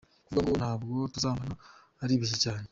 Kuvuga ngo ntabwo tuzarambana, aribeshya cyane.